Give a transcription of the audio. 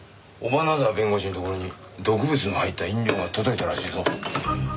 尾花沢弁護士のところに毒物の入った飲料が届いたらしいぞ。